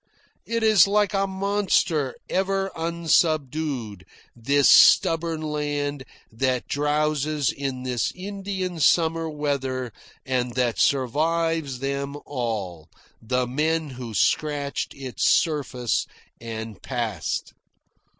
It is like a monster ever unsubdued, this stubborn land that drowses in this Indian summer weather and that survives them all, the men who scratched its surface and passed.